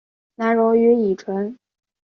难溶于乙醇。